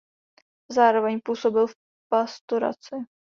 Zároveň působil v pastoraci.